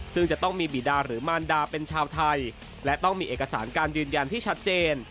ซึ่งจะต้องมีบิดาหรือมารดาเป็นชาวไทยและต้องมีเอกสารการยืนยันที่ชัดเจน